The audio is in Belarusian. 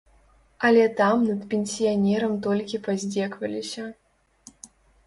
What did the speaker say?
Але там над пенсіянерам толькі паздзекваліся.